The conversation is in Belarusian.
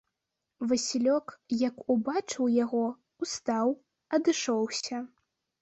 Васілёк, як убачыў яго, устаў, адышоўся.